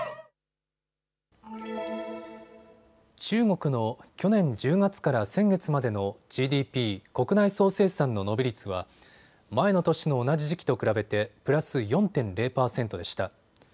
中国の去年１０月から先月までのＧＤＰ・国内総生産の伸び率は前の年の同じ時期と比べてプラス４．０％でした。